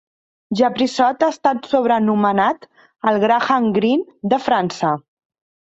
Japrisot ha estat sobrenomenat "el Graham Greene de França".